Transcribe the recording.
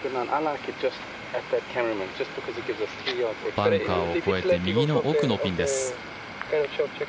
バンカーを越えて右の奥のピンです。